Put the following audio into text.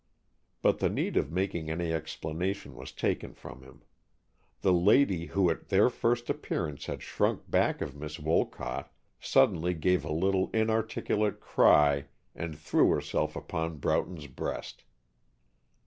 But the need of making any explanation was taken from him. The lady who at their first appearance had shrunk back of Miss Wolcott, suddenly gave a little inarticulate cry and threw herself upon Broughton's breast.